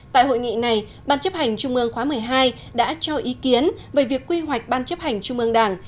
tại hội nghị này ban chấp hành trung ương khóa một mươi hai đã cho ý kiến về việc quy hoạch ban chấp hành trung ương đảng